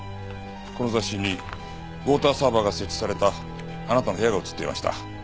この雑誌にウォーターサーバーが設置されたあなたの部屋が写っていました。